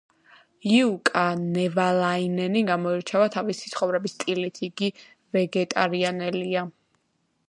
იუკა ნევალაინენი გამოირჩევა თავისი ცხოვრების სტილით, იგი ვეგეტარიანელია.